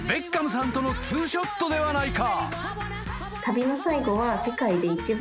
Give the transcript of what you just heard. さんとのツーショットではないか］